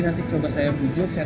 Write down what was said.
pantas juga gak terlalu miring